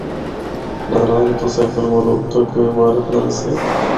ناران تو سیف الملوک تک کوئی عمارت نہ آسی۔